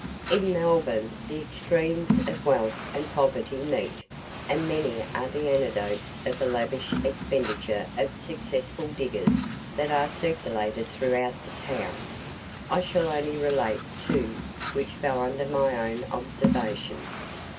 In Melbourne the extremes of wealth and poverty meet, and many are the anecdotes of the lavish expenditure of successful diggers that are circulated throughout the town. I shall only relate two which fell under my own observation.